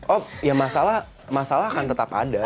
oh ya masalah akan tetap ada